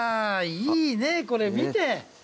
いいねこれ見て。